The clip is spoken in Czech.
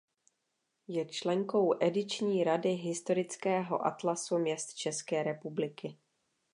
Je členkou ediční rady Historického atlasu měst České republiky.